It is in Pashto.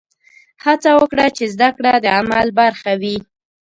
هڅه وکړه چې زده کړه د عمل برخه وي.